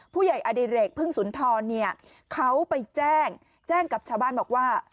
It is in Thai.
อดิเรกพึ่งสุนทรเนี่ยเขาไปแจ้งแจ้งกับชาวบ้านบอกว่า